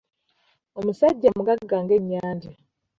Omusajja mugagga ng'ennyanja.